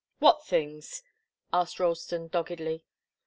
"What things?" asked Ralston, doggedly.